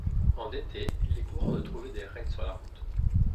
En été, il est courant de trouver des rennes sur la route.